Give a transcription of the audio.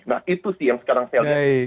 nah itu sih yang sekarang saya lihat